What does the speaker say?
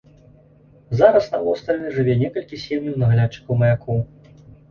Зараз на востраве жыве некалькі сем'яў наглядчыкаў маякоў.